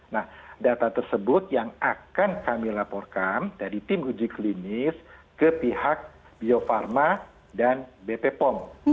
nah data tersebut yang akan kami laporkan dari tim uji klinis ke pihak bio farma dan bp pom